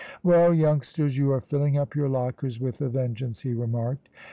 "Well, youngsters, you are filling up your lockers with a vengeance," he remarked.